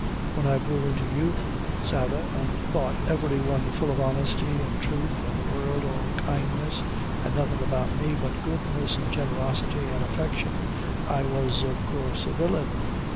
When I grew into youth, Sarah, an' thought every one full of honesty an' truth, an' the world all kindness, an' nothin' about me but goodness, an' generosity, an' affection, I was, of coorse, a villain.